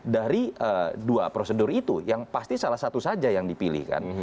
dari dua prosedur itu yang pasti salah satu saja yang dipilih kan